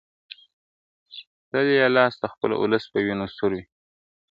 تل یې لاس د خپل اولس په وینو سور وي ..